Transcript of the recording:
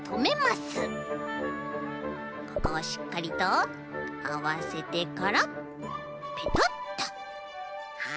ここをしっかりとあわせてからペトッとはい！